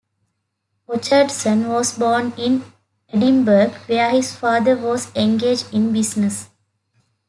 Orchardson was born in Edinburgh, where his father was engaged in business.